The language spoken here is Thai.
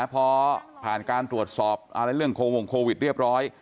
พอผ่านการตรวจสอบเรื่องโควิดเรียบร้อย